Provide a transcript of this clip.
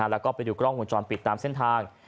และดูกล้องผมจรนปิดตามเส้นทาง